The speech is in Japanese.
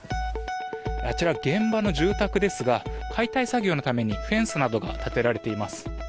あちら現場の住宅ですが解体作業のためにフェンスなどが立てられています。